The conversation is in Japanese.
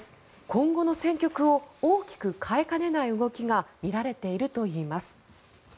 今後の戦局を大きく変えかねない動きが見られているといいます。